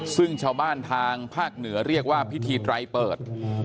ซึ่งชาวบ้านทางภาคเหนือเรียกว่าพิธีไตรเปิด